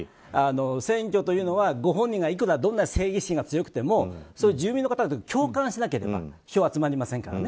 選挙というのはご本人がいくら正義心が強くても住民の方が共感しなければ票は集まりませんからね。